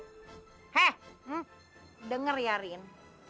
he eh denger ya rin